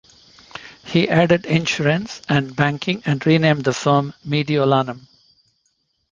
He added insurance and banking and renamed the firm Mediolanum.